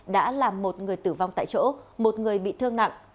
đã làm một người tử vong tại chỗ một người bị thương nặng